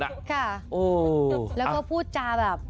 ค่ะแล้วก็พูดจาแบบ